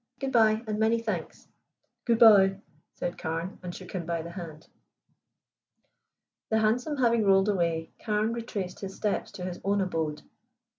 Good bye, and many thanks." "Good bye," said Carne, and shook him by the hand. The hansom having rolled away, Carne retraced his steps to his own abode.